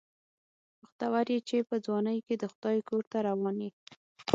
بختور یې چې په ځوانۍ کې د خدای کور ته روان یې.